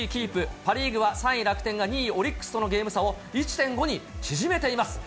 パ・リーグは３位楽天が２位オリックスとのゲーム差を１．５に縮めています。